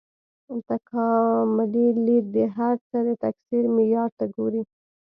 تکاملي لید د هر څه د تکثیر معیار ته ګوري.